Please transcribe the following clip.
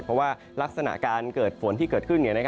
เพราะว่ารักษณะการเกิดฝนที่เกิดขึ้น